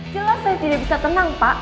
jelas saya tidak bisa tenang pak